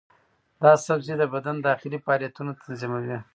دا سبزی د بدن داخلي فعالیتونه تنظیموي.